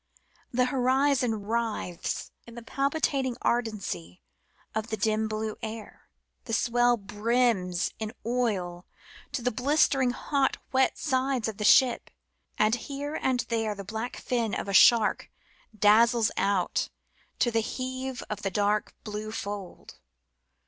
The horizon writhes in the palpitating ardency of the dim blue air ; the swell brims in oil to the blistered hot wet sides of the ship, and here and there the black fin of a shark dazzles out to the heave of the dark blue fold.